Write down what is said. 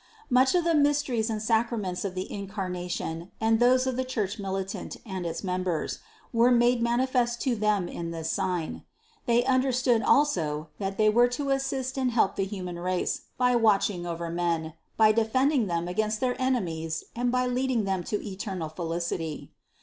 Much of the mysteries and sacraments of the Incarnation, and those of the Church militant and its members, were made manifest to them in this sign. They understood also, that they were to assist and help the human race, by watching over men, by defending them against their enemies and by leading them to eternal felicity.